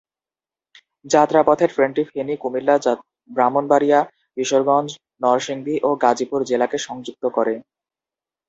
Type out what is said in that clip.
যাত্রাপথে ট্রেনটি ফেনী, কুমিল্লা, ব্রাহ্মণবাড়িয়া, কিশোরগঞ্জ, নরসিংদী ও গাজীপুর জেলাকে সংযুক্ত করে।